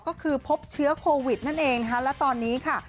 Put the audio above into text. ก็คือพบเชื้อโควิดนั่นเองนะคะและตอนนี้ค่ะ